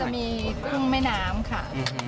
ก็จะมีกุ้งแม่น้ำค่ะโดยตูนะครับ